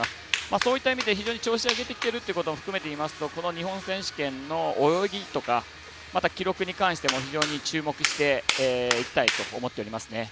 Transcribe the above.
そういった意味で非常に調子を上げてきてるという意味で言いますとこの日本選手権の泳ぎとかまた、記録に関しても注目していきたいと思いますね。